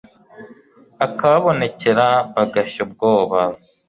akababonekera bagashya ubwoba